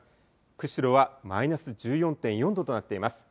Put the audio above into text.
釧路はマイナス１４．４度となっています。